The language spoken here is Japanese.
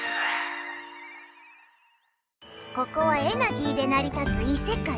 ここはエナジーでなり立ついせかい。